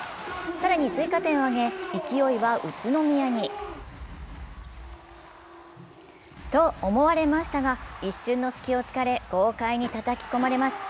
更に追加点を挙げ、勢いは宇都宮にと思われましたが、一瞬の隙を突かれ豪快にたたき込まれます。